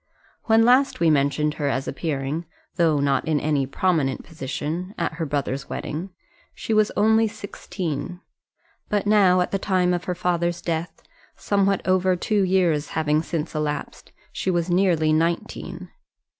When last we mentioned her as appearing, though not in any prominent position, at her brother's wedding, she was only sixteen; but now, at the time of her father's death, somewhat over two years having since elapsed, she was nearly nineteen.